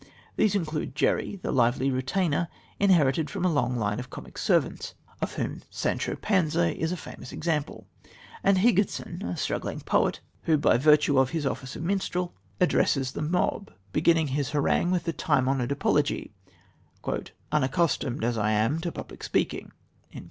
These include Jerry, the lively retainer, inherited from a long line of comic servants, of whom Sancho Panza is a famous example, and Higginson, a struggling poet, who in virtue of his office of minstrel, addresses the mob, beginning his harangue with the time honoured apology: "Unaccustomed as I am to public speaking."